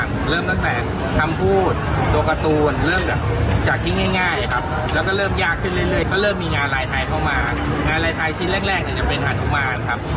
รายไทยชิ้นแรกจะเป็นอะนุมานครับ